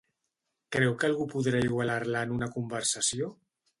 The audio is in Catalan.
Creu que algú podrà igualar-la en una conversació?